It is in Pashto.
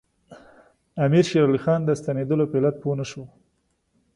امیر شېر علي خان د ستنېدلو په علت پوه نه شو.